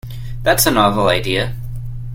That's a novel idea.